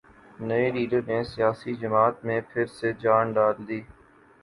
نئےلیڈر نے سیاسی جماعت میں پھر سے جان ڈال دی